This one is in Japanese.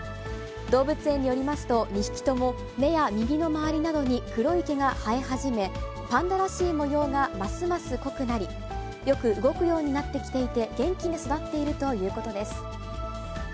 動物園によりますと、２匹とも目や耳の周りなどに黒い毛が生え始め、パンダらしい模様がますます濃くなり、よく動くようになってきていて、元気に育っているということです。